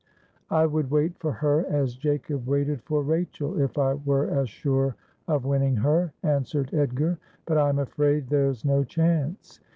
' I would wait for her as J acob waited for Rachel, if I were as sure of winning her,' answered Edgar ;' but I am afraid there's no chance.